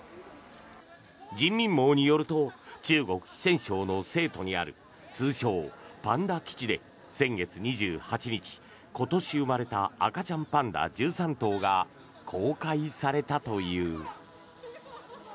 人民網によると中国・四川省の成都にある通称・パンダ基地で先月２８日今年生まれた赤ちゃんパンダ１３頭が公開されたという。